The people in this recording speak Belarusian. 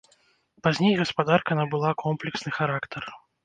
Пазней гаспадарка набыла комплексны характар.